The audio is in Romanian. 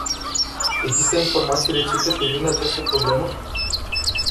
Există informații recente privind această problemă?